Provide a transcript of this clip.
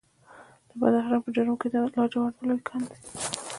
د بدخشان په جرم کې د لاجوردو لوی کان دی.